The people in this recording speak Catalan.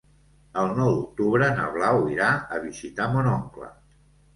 El nou d'octubre na Blau irà a visitar mon oncle.